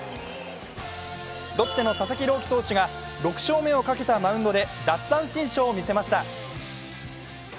ロッテの佐々木朗希投手が６勝目をかけたマウンドで奪三振ショーを見せました。